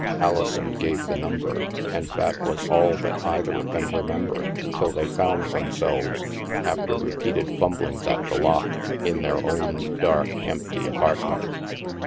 Alison gave the number; and that was all that either of them remembered till they found them selves, after repeated fumblings at the lock, in their own dark, empty apartment.